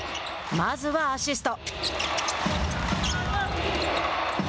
まずはアシスト。